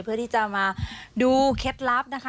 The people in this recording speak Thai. เพื่อที่จะมาดูเคล็ดลับนะคะ